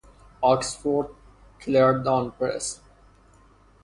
Oxford: Clarendon Press.